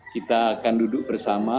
kita akan duduk bersama